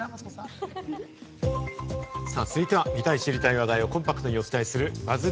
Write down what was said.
続いては、見たい、知りたい話題をコンパクトにお伝えするＢＵＺＺ